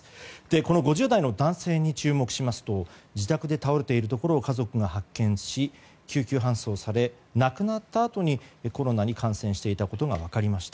この５０代の男性に注目しますと自宅で倒れているところを家族が発見し救急搬送され亡くなったあとにコロナに感染していたことが分かりました。